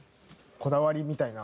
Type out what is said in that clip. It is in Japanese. こだわりみたいな。